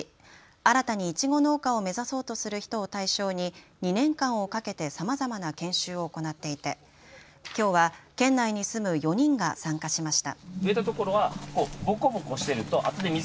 新たにいちご農家を目指そうとする人を対象に２年間をかけてさまざまな研修を行っていて、きょうは県内に住む４人が参加しました。